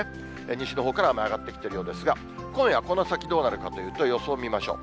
西のほうから雨上がってきているようですが、今夜この先どうなるかというと、予想見ましょう。